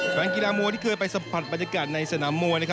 แฟนกีฬามวยที่เคยไปสัมผัสบรรยากาศในสนามมวย